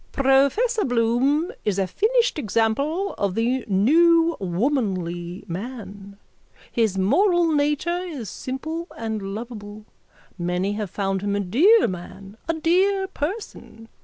_ Professor Bloom is a finished example of the new womanly man. His moral nature is simple and lovable. Many have found him a dear man, a dear person.